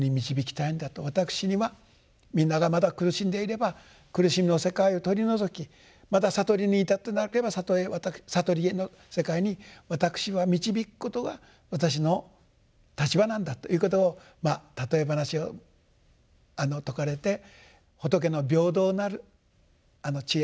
私にはみんながまだ苦しんでいれば苦しみの世界を取り除きまだ悟りに至ってなければ悟りへの世界に私は導くことが私の立場なんだということを譬え話を説かれて仏の平等なる智慧と慈悲。